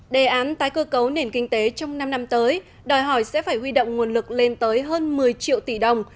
đề án tái cơ cấu nền kinh tế trong năm năm tới đòi hỏi sẽ phải huy động nguồn lực lên tới hơn một mươi triệu tỷ đồng